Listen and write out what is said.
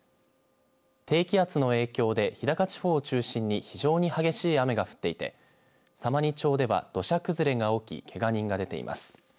低気圧の影響で日高地方を中心に非常に激しい雨が降っていて様似町では土砂崩れが起きけが人が出ています。